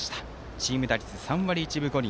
チーム打率３割１分５厘。